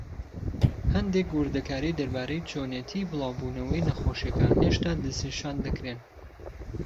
هەندێک وردەکاری دەربارەی چۆنیەتی بلاو بوونەوەی نەخۆشیەکە هێشتا دەسنیشان دەکرێن.